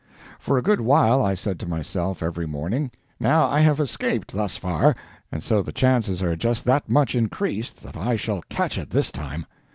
For a good while I said to myself every morning: "Now I have escaped thus far, and so the chances are just that much increased that I shall catch it this time.